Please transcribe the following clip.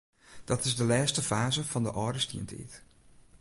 Dat is de lêste faze fan de âlde stientiid.